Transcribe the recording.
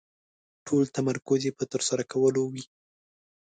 ټول تمرکز يې په ترسره کولو وي.